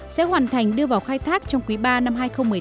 sẽ hoàn thành đưa vào khai thác trong quý ba năm hai nghìn một mươi tám